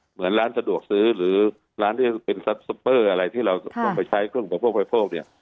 เหมือนร้านสะดวกซื้อหรือร้านที่เป็นซับซุปเปอร์อะไรที่เราต้องไปใช้เครื่องอุปโภคบริโภคเนี่ย